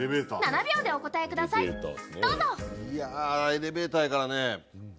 エレベーターやからね。